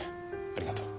ありがとう。